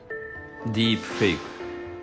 ディープフェイク。